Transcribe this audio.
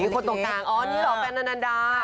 คนตรงกลางอ๋อนี่เหรอแฟนอนันดา